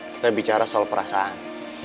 saya bicara soal perasaan